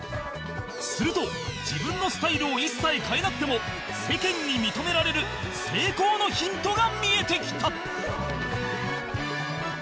すると自分のスタイルを一切変えなくても世間に認められる成功のヒントが見えてきた！